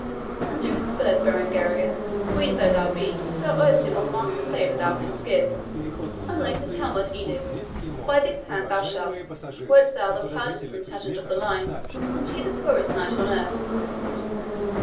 Undo his spurs, Berengaria; Queen though thou be, thou owest him what marks of favour thou canst give. Unlace his helmet, Edith; by this hand thou shalt, wert thou the proudest Plantagenet of the line, and he the poorest knight on earth!"